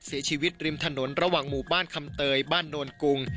เสียชีวิตริมถนนระหว่างหมู่บ้านคำเตยบ้านโน่นกุง